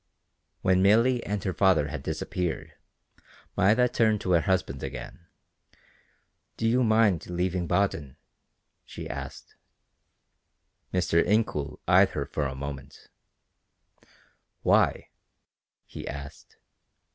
When Milly and her father had disappeared, Maida turned to her husband again. "Do you mind leaving Baden?" she asked. Mr. Incoul eyed her a moment. "Why?" he asked.